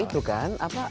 itu kan apa